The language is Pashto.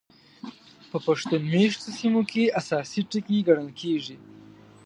په پښتون مېشتو سیمو کې اساسي ټکي ګڼل کېږي.